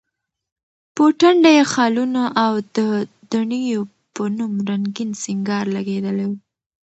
په ټنډه یې خالونه، او د دڼیو په نوم رنګین سینګار لګېدلی و.